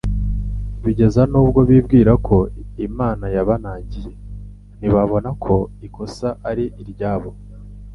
Bigeza nubwo bibwira ko Imana yabanangiye: Ntibabona ko ikosa ari iryabo.